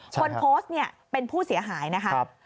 คนโพสต์เนี่ยเป็นผู้เสียหายนะคะ